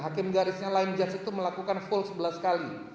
hakim garisnya line judge itu melakukan full sebelas kali